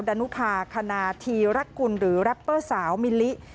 ดานุภาคณาธีรกุลหรือแรปเปอร์สาวมิลลิ